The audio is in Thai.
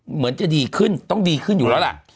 เหมือนจะดีขึ้นต้องดีขึ้นอยู่แล้วล่ะ